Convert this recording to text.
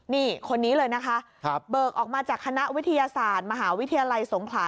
นี่คนนี้เลยนะคะเบิกออกมาจากคณะวิทยาศาสตร์มหาวิทยาลัยสงขลา